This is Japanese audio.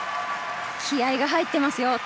気合いが入っていますよ。